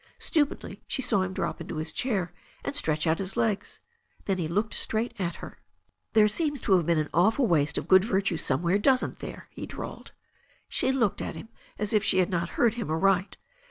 Stupidly she saw him drop into his chair and stretch out his legs. Then he looked straight at her. JTHE STORY OF A NEW ZEALAND RIVER 379 "There seems to have been an awful waste of good vir tue somewhere, doesn't there?" he drawled. She looked at him as if she had not heard him aright.